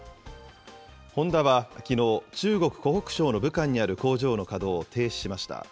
ホンダはきのう、中国・湖北省の武漢にある工場の稼働を停止しました。